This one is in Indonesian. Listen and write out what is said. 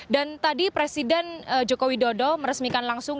dan tadi presiden joko widodo meresmikan langsung